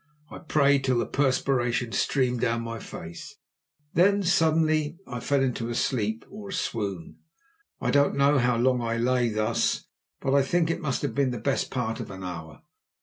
I prayed till the perspiration streamed down my face; then suddenly I fell into sleep or swoon. I don't know how long I lay thus, but I think it must have been the best part of an hour.